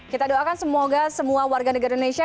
kita doakan semoga semua warga negara indonesia